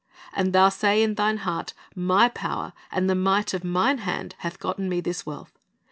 ... And thou say in thine heart, My power and the might of mine hand hath gotten me this wealth.